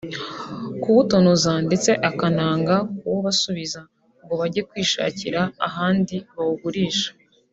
kuwutonoza ndetse akananga no kuwubasubiza ngo bajye kwishakira ahandi bawugurisha